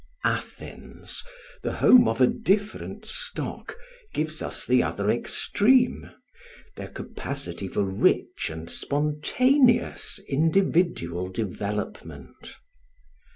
Athens, the home of a different stock, gives us the other extreme their capacity for rich and spontaneous individual development.